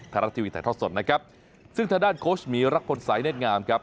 พระรักษณ์ทีวีไทยทอดสดซึ่งทางด้านโค้ชมีลักษณ์ใสแน่นงาม